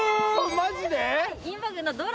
マジで？